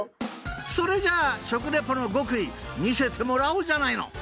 ［それじゃあ食レポの極意見せてもらおうじゃないの］